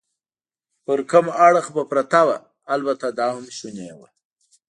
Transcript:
پر کوم اړخ به پرته وه؟ البته دا هم شونې وه.